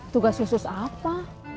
tugas khusus apa